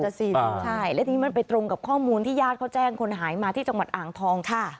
ใช่และทีนี้มันไปตรงกับข้อมูลที่ญาติเขาแจ้งคนหายมาที่จังหวัดอ่างทองค่ะ